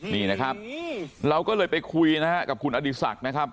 นี่นะครับเราก็เลยไปคุยนะฮะกับคุณอดีศักดิ์นะครับ